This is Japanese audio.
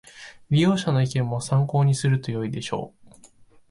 利用者の意見も参考にするとよいでしょう